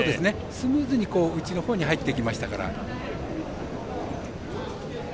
スムーズに内のほうに入ってきましたから。